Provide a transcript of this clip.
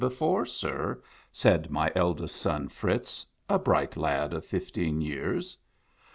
before, sir," said my eldest son Fritz, a bright lad of fifteen years.